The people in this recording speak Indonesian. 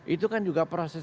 itu kan juga proses